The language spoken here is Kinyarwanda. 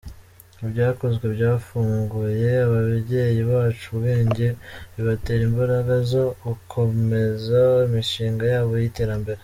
Ibyakozwe byafunguye ababyeyi bacu ubwenge, bibatera imbaraga zo gukomeza imishinga yabo y’iterambere.